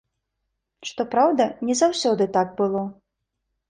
Што праўда, не заўсёды так было.